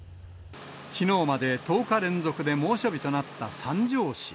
きのうまで１０日連続で猛暑日となった三条市。